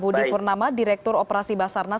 terima kasih pak budi purnama direktur operasi basarnas